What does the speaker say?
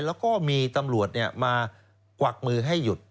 แล้วก็มีตำรวจมากวักมือให้หยุด